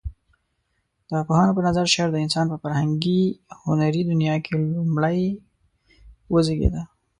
د پوهانو په نظر شعر د انسان په فرهنګي هنري دنيا کې لومړى وزيږيده.